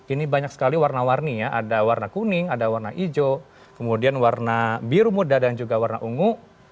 ini banyak sekali warna warni ya ada warna kuning ada warna hijau kemudian warna biru muda dan juga warna ungu